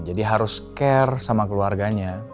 jadi harus care sama keluarganya